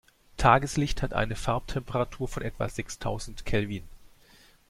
Tageslicht hat eine Farbtemperatur von etwa sechstausend Kelvin.